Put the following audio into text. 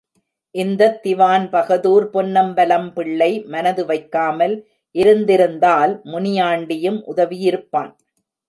இந்தத் திவான்பகதூர் பொன்னம்பலம்பிள்ளை மனது வைக்காமல் இருந்திருந்தால், முனியாண்டியும் உதவியிருப்பான்!